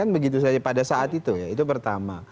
begitu saja pada saat itu ya itu pertama